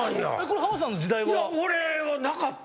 これ浜田さんの時代は？